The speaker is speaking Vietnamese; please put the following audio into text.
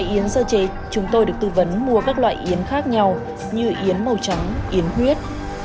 yến sơ chế chúng tôi được tư vấn mua các loại yến khác nhau như yến màu trắng yến huyết